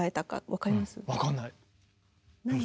分かんない。